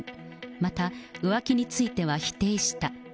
また、浮気については否定した。